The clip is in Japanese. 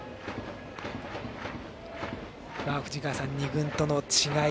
藤川さん、２軍との違い